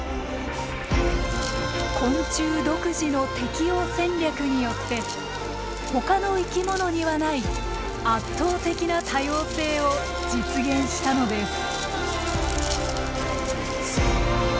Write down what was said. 昆虫独自の適応戦略によってほかの生き物にはない圧倒的な多様性を実現したのです。